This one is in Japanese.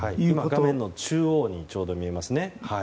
画面の中央にちょうど見えますね。